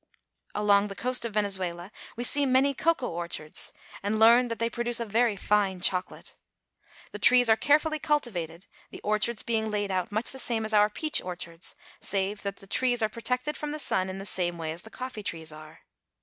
Along the coast of Venezuela we see many cacao orchards, and learn that they produce very fine chocolate. The trees are carefully cultivated, the orchards being laid out much the same as our peach orchards, save that the trees are protected from the sun in the same way as the coffee trees are.